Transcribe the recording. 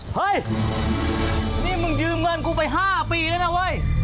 เฮ้ยนี่มึงยืมเงินกูไป๕ปีแล้วนะเว้ย